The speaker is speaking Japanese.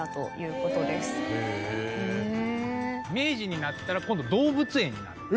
明治になったら今度動物園になって。